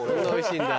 おいしい。